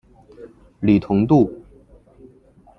李同度。